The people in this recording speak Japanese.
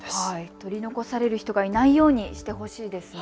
取り残される人がいないようにしてほしいですね。